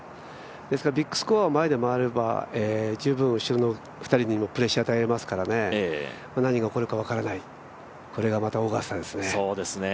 ですからビッグスコアを前で回れば十分後ろの２人にもプレッシャーを与えられますからね、何が起こるか分からない、これがまたオーガスタですね。